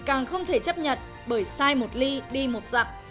càng không thể chấp nhận bởi sai một ly đi một giặc